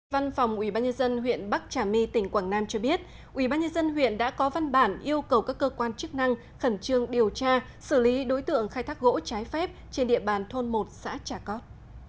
văn phòng ubnd huyện bắc trà my tỉnh quảng nam cho biết ubnd huyện đã có văn bản yêu cầu các cơ quan chức năng khẩn trương điều tra xử lý đối tượng khai thác gỗ trái phép trên địa bàn thôn một xã trà cót